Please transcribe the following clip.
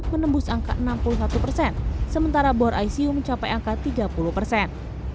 menembus angka enam puluh satu persen sementara bor icu mencapai angka tiga puluh persen